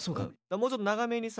もうちょっと長めにさ。